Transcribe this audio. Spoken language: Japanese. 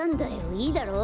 いいだろう？